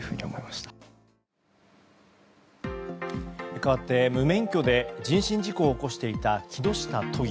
かわって、無免許で人身事故を起こしていた木下都議。